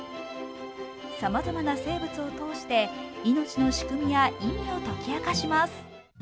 さまざまな生物を通して命の仕組みや意味を説き明かします。